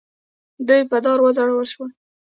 دوی په دار وځړول شول.